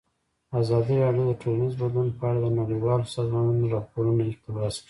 ازادي راډیو د ټولنیز بدلون په اړه د نړیوالو سازمانونو راپورونه اقتباس کړي.